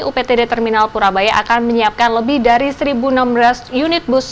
uptd terminal purabaya akan menyiapkan lebih dari satu enam belas unit bus